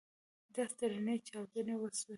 داسې درنې چاودنې وسوې.